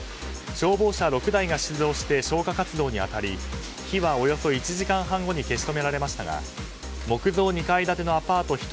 消防車６台が出動して消火活動に当たり火はおよそ１時間半後に消し止められましたが木造２階建てのアパート